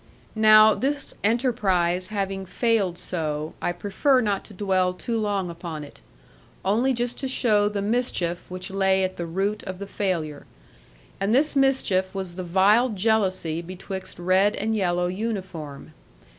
Now, this enterprise having failed so, I prefer not to dwell too long upon it; only just to show the mischief which lay at the root of the failure. And this mischief was the vile jealousy betwixt red and yellow uniform.